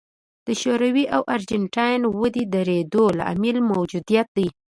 د شوروي او ارجنټاین ودې درېدو لامل موجودیت دی.